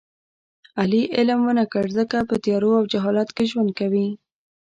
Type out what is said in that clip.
علي علم و نه کړ ځکه په تیارو او جهالت کې ژوند کوي.